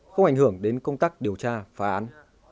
không ảnh hưởng đến công tác điều tra phá án